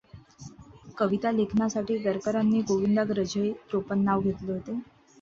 कवितालेखनासाठी गडकर् यांनी गोविंदाग्रज हे टोपण नाव घेतले होते.